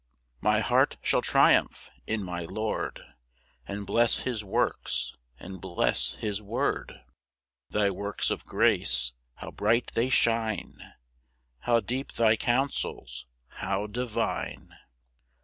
3 My heart shall triumph in my Lord, And bless his works, and bless his word; Thy works of grace, how bright they shine! How deep thy counsels! how divine!